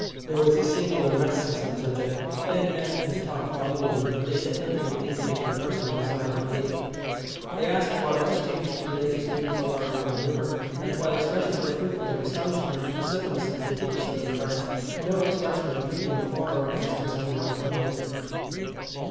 There was a singular reticence on the subject. Men met and talked volubly, but they said nothing that indicated a personal desire or belief. They asked for and exchanged the latest news, or, rather, rumour, and while expressions were frequent of astonishment at the suddenness and completeness of the occurrence, no expression of opinion for or against was anywhere formulated.